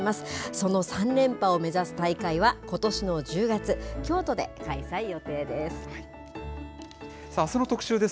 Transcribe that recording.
その３連覇を目指す大会は、ことしの１０月、京都で開催予定です。